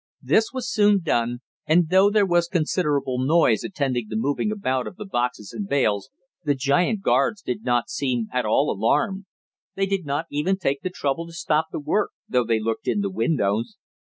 This was soon done, and, though there was considerable noise attending the moving about of the boxes and bales, the giant guards did not seem at all alarmed. They did not even take the trouble to stop the work, though they looked in the windows.